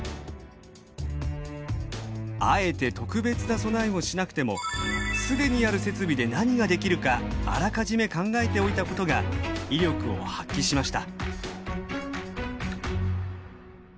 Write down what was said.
あえて特別な備えをしなくても既にある設備で何ができるかあらかじめ考えておいたことが威力を発揮しました。